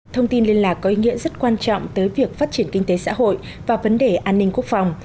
thông tin liên lạc có ý nghĩa rất quan trọng tới việc phát triển kinh tế xã hội và vấn đề an ninh quốc phòng